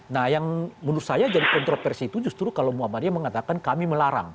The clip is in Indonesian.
nah yang menurut saya jadi kontroversi itu justru kalau muhammadiyah mengatakan kami melarang